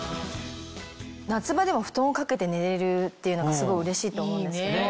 夏場でも布団を掛けて寝れるっていうのがすごいうれしいと思うんですけど。